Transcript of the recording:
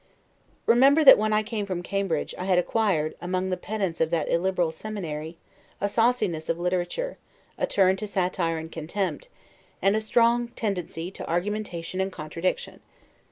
] I remember, that when I came from Cambridge, I had acquired, among the pedants of that illiberal seminary, a sauciness of literature, a turn to satire and contempt, and a strong tendency to argumentation and contradiction.